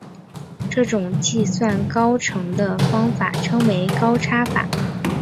这种计算高程的方法称为高差法。